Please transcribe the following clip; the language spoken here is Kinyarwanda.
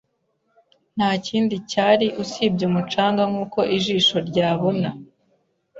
Nta kindi cyari usibye umucanga nkuko ijisho ryabona.